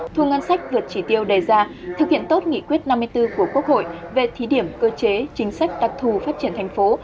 thu ngân sách vượt chỉ tiêu đề ra thực hiện tốt nghị quyết năm mươi bốn của quốc hội về thí điểm cơ chế chính sách đặc thù phát triển thành phố